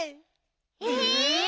え！